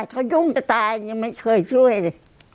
เขายุ่งจะตายยังไม่เคยช่วยเลย